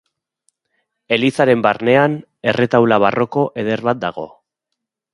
Elizaren barnean, erretaula barroko eder bat dago.